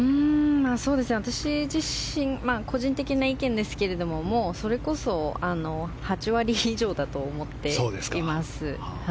私自身個人的な意見ですけどそれこそ８割以上だと思っています。